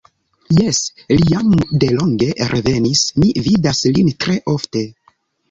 Jes, li jam de longe revenis; mi vidas lin tre ofte.